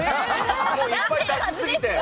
やっぱり出しすぎて。